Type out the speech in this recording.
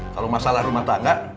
kalau masalah rumah tangga